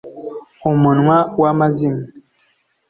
umunwa w'amazimwe